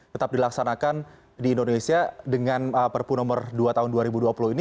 tetap dilaksanakan di indonesia dengan perpu nomor dua tahun dua ribu dua puluh ini